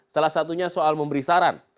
salah satunya soal memberi saran